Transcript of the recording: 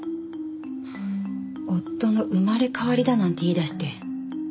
夫の生まれ変わりだなんて言い出して。